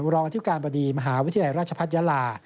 รองอธิการบดีมหาวิทยาลัยราชพัฒนยาลา